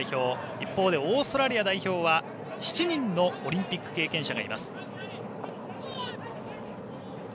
一方でオーストラリア代表は７人のオリンピック経験者がいます。